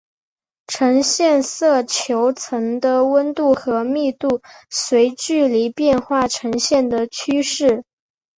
呈现色球层的温度和密度随距离变化呈现的趋势。